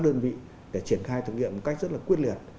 các đơn vị để triển khai thử nghiệm một cách rất là quyết liệt